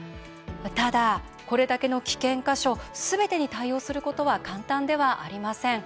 ただ、これだけの危険箇所すべてに対応することは簡単ではありません。